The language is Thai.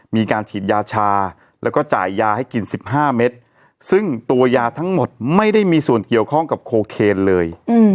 มันกินอยู่ท้องปองน่ะเห็นมั้ย